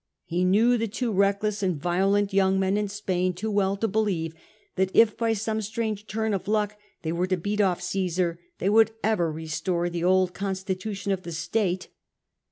He knew the two reckless and violent young men in Spain too well to believe that if, by some strange turn of luck, they were to beat off C^sar, they would ever restore the old constitution of the state.